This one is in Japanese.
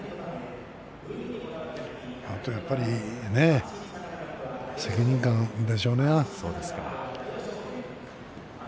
あとやっぱり責任感でしょうね。